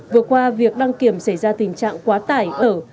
vừa qua việc đăng kiểm xảy ra tình trạng quá tải ở